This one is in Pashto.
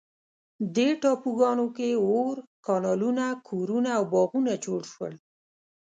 دې ټاپوګانو کې اور، کانالونه، کورونه او باغونه جوړ شول.